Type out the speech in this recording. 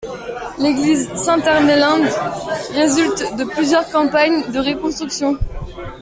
L'église Sainte-Ermelinde résulte de plusieurs campagnes de construction.